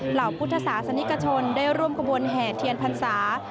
เหล่าพุทธศาสนิกชนได้ร่วมกระบวนแห่เทียนพรรษา